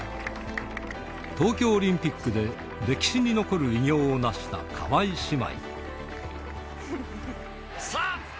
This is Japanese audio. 東京オリンピックで歴史に残る偉業を成した川井姉妹。